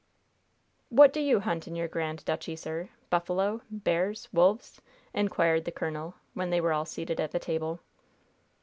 "What do you hunt in your grand duchy, sir? Buffalo? Bears? Wolves?" inquired the colonel, when they were all seated at the table.